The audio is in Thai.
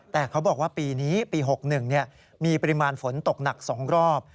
แต่เขาบอกว่าปีนี้ปี๖๑มีปริมาณฝนตกหนัก๒รอบ